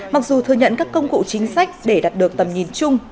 mặc dù thừa nhận các công cụ chính sách để đạt được tầm nhìn chung